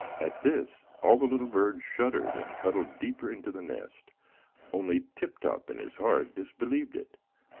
At this, all the little birds shuddered and cuddled deeper in the nest; only Tip Top in his heart disbelieved it.